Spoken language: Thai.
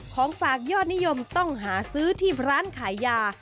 ของฝากยอดนิยมต้องหาซื้อที่ร้านขายยา